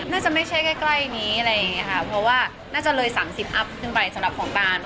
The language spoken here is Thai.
น่าจะไม่ใช่ใกล้นี้เพราะว่าน่าจะเลย๓๐สัมพันธุ์ถึงไปสำหรับของตาน